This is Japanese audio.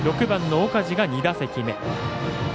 ６番の岡治が２打席目。